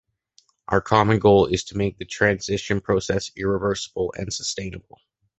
Our common goal is to make the transition process irreversible and sustainable.